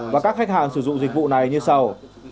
và các khách hàng sử dụng dịch vụ này như sau